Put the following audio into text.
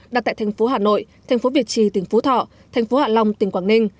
đặt tại thành phố hà nội thành phố việt trì tỉnh phú thọ thành phố hạ long tỉnh quảng ninh